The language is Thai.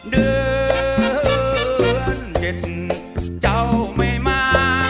เดือนเย็นเจ้าไม่มา